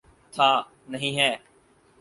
تھا، نہیں ہے۔